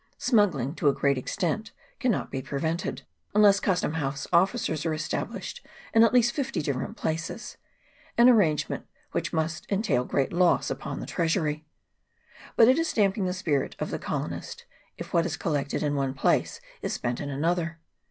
Smuggling to a great extent cannot be prevented, unless custom house officers are established in at least fifty different places ; an arrangement which must entail great loss upon the treasury. But it is damping the spirit of the colo nist, if what is collected in one place is spent in another.